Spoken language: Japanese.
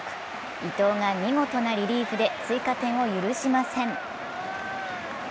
伊藤が見事なリリーフで追加点を許しません。